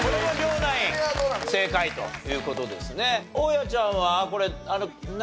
大家ちゃんはこれ何？